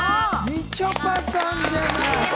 みちょぱさんじゃない！